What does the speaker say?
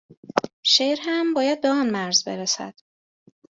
شعر هم باید به آن مرز برسد